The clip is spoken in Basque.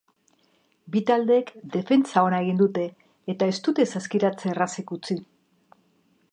Bi taldeek defentsa ona egin dute eta ez dute saskiratze errazik utzi.